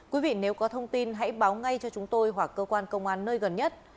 quý vị nếu có thông tin hãy báo ngay cho chúng tôi hoặc cơ quan công an nơi gần nhất